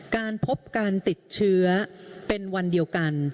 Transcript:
การพบการติดเชื้อเป็นวันเดียวกัน